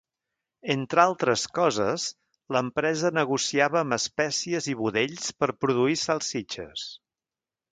Entre altres coses l'empresa negociava amb espècies i budells per produir salsitxes.